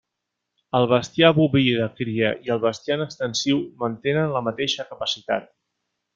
El bestiar boví de cria i el bestiar en extensiu mantenen la mateixa capacitat.